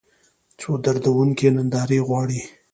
څو دردونکې نندارې غواړي